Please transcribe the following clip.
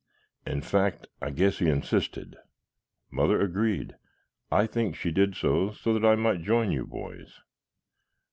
In fact, I guess he insisted. Mother agreed. I think she did so that I might join you boys.